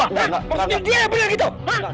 maksudnya dia yang belanja gitu